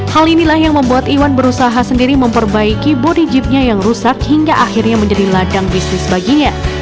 hal inilah yang membuat iwan berusaha sendiri memperbaiki bodi jeepnya yang rusak hingga akhirnya menjadi ladang bisnis baginya